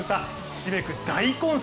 ひしめく大混戦！